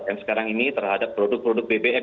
yang sekarang ini terhadap produk produk bbm